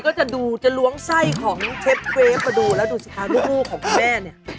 ก็จะดูจะล้วงไส้ของเชฟเวฟมาดูแล้วดูสิคะลูกของคุณแม่เนี่ย